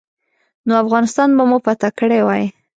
نو افغانستان به مو فتح کړی وای.